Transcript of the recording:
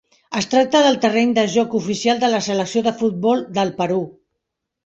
Es tracta del terreny de joc oficial de la Selecció de futbol del Perú.